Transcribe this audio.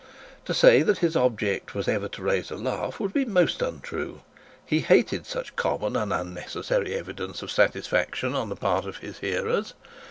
To say that his object was ever to raise a laugh, would be most untrue. He hated such common and unnecessary evidence of satisfaction on the part of his hearers.